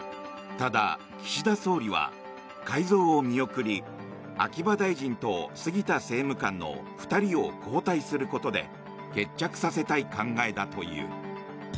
ただ、岸田総理は改造を見送り秋葉大臣と杉田政務官の２人を交代することで決着させたい考えだという。